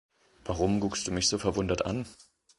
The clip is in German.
Warum guckst du mich so verwundert an?